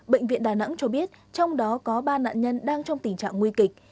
bệnh viện đà nẵng cho biết trong đó có ba nạn nhân đang trong tình trạng nguy kịch